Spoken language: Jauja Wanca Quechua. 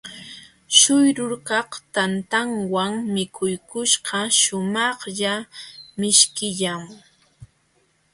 Śhuyrukaq tantantawan mikuykuśhqa shumaqlla mishkillam.